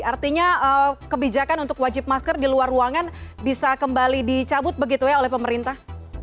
artinya kebijakan untuk wajib masker di luar ruangan bisa kembali dicabut begitu ya oleh pemerintah